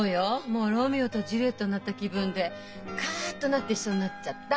もうロミオとジュリエットになった気分でカッとなって一緒になっちゃった。